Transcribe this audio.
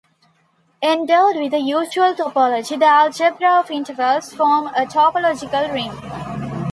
Endowed with the usual topology, the algebra of intervals forms a topological ring.